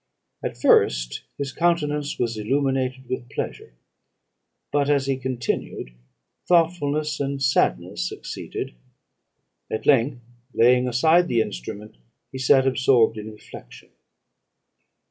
At first his countenance was illuminated with pleasure, but, as he continued, thoughtfulness and sadness succeeded; at length, laying aside the instrument, he sat absorbed in reflection.